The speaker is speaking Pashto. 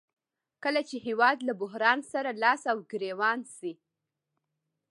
کله چې هېواد له بحران سره لاس او ګریوان شي